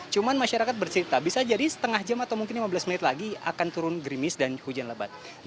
cuma masyarakat bercerita bisa jadi setengah jam atau mungkin lima belas menit lagi akan turun grimis dan hujan lebat